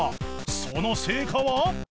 その成果は？